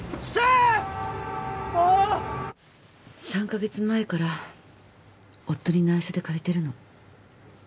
３カ月前から夫に内緒で借りてるの。